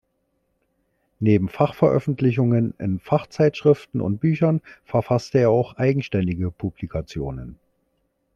Neben Fachveröffentlichungen in Fachzeitschriften und Büchern verfasste er auch eigenständige Publikationen.